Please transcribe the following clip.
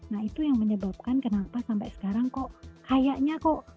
nah itu yang menyebabkan kenapa sampai sekarang kok kayaknya kok